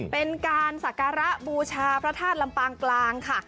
เป็นการสักการะบูชาพระธาตุลำปางกลางค่ะ